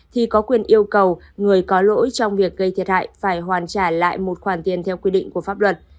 thì có quyền yêu cầu người có lỗi trong việc gây thiệt hại phải hoàn trả lại một khoản tiền theo quy định của pháp luật